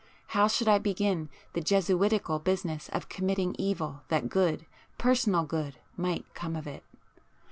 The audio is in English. How should I begin the jesuitical business of committing evil that good, personal good, might come of it?